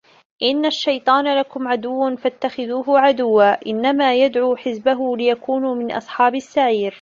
إِنَّ الشَّيطانَ لَكُم عَدُوٌّ فَاتَّخِذوهُ عَدُوًّا إِنَّما يَدعو حِزبَهُ لِيَكونوا مِن أَصحابِ السَّعيرِ